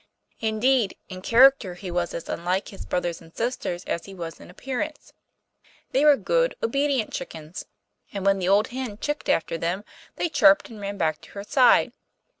Indeed, in character he was as unlike his brothers and sisters as he was in appearance. They were good, obedient chickens, and when the old hen chicked after them, they chirped and ran back to her side.